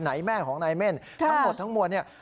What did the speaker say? แม่ของนายเม่นทั้งหมดทั้งมวลเนี่ย